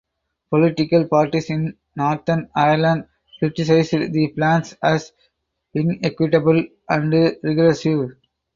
Political parties in Northern Ireland criticised the plans as "inequitable" and "regressive".